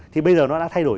thì bây giờ nó đã thay đổi